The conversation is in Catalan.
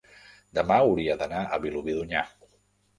demà hauria d'anar a Vilobí d'Onyar.